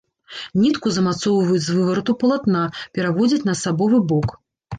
Нітку замацоўваюць з выварату палатна, пераводзяць на асабовы бок.